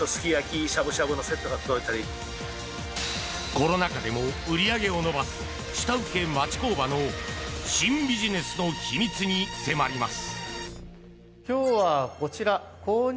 コロナ禍でも売り上げを伸ばす下請け町工場の新ビジネスの秘密に迫ります。